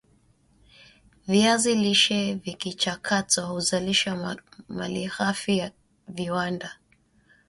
viazi lishe vikichakatwa huzalisha malighafi ya viwanda